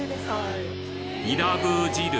イラブー汁？